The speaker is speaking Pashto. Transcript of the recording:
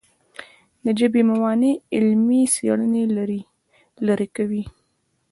د ژبې موانع علمي څېړنې لیرې کوي.